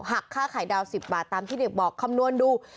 หักค่าไข่ดาว๑๐บาทตามที่เด็กบอกคำนวณดู